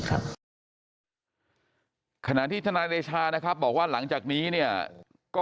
ขณะที่ทนายเดชานะครับบอกว่าหลังจากนี้เนี่ยก็